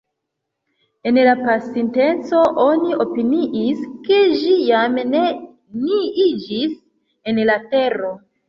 En la pasinteco oni opiniis, ke ĝi jam neniiĝis en la tero.